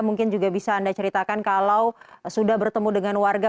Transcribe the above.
mungkin juga bisa anda ceritakan kalau sudah bertemu dengan warga